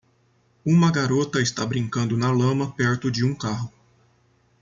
Uma garota está brincando na lama perto de um carro.